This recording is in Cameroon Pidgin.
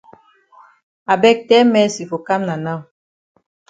I beg tell Mercy for kam na now.